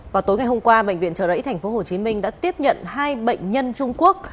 vào tối ngày hôm qua bệnh viện trời đẫy tp hcm đã tiếp nhận hai bệnh nhân trung quốc